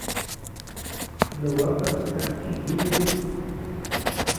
Nobapan kajki mila.